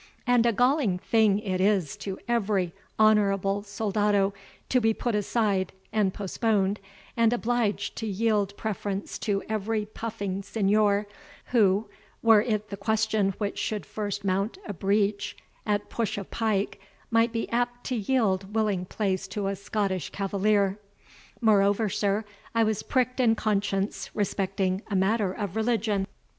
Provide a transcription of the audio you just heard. And a galling thing it is to every honourable soldado, to be put aside, and postponed, and obliged to yield preference to every puffing signor, who, were it the question which should first mount a breach at push of pike, might be apt to yield willing place to a Scottish cavalier. Moreover, sir, I was pricked in conscience respecting a matter of religion."